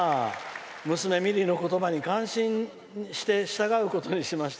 娘、みりの言うことに関心して従うことにしました。